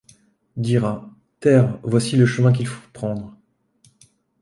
Dira : terre, voici le chemin qu’il faut prendre